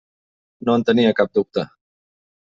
No en tenia cap dubte.